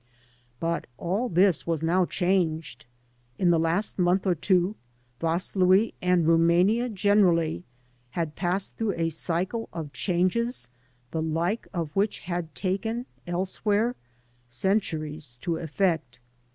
But all this was now changed. In the last month or two Vaslui and Rumania generally had passed through a cycle of changes the like of which had taken, elsewhere, centiuies to effect.